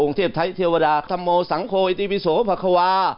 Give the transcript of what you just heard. องค์เทพไทยเทวาดาธรรโมสังค์โควิดอิติวิโสภาควา